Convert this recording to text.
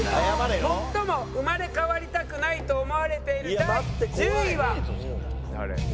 最も生まれ変わりたくないと思われている第１０位は。